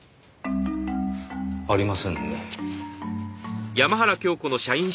ありませんね。